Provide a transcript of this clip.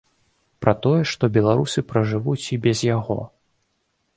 Пра тое, што беларусы пражывуць і без яго.